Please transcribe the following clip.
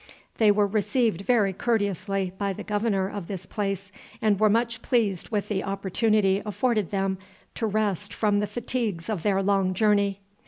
They were received very courteously by the governor of this place, and were much pleased with the opportunity afforded them to rest from the fatigues of their long journey.